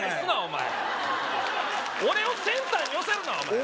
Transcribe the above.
前俺をセンターに寄せるなお